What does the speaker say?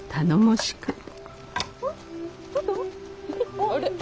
あれ？